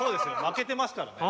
負けてますからね。